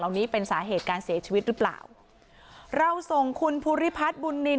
เหล่านี้เป็นสาเหตุการเสียชีวิตรึเปล่าเราส่งคุณพุฤพัฒน์บุนนิน